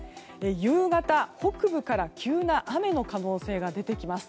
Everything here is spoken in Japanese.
夕方、北部から急な雨の可能性が出てきます。